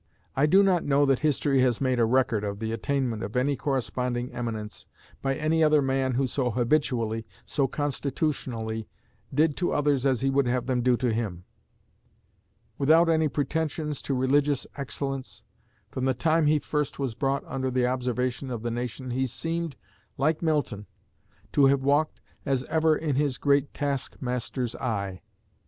I do not know that history has made a record of the attainment of any corresponding eminence by any other man who so habitually, so constitutionally, did to others as he would have them do to him. Without any pretensions to religious excellence, from the time he first was brought under the observation of the nation he seemed, like Milton, to have walked 'as ever in his great Taskmaster's eye.'